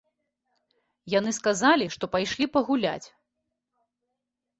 Яны сказалі, што пайшлі пагуляць.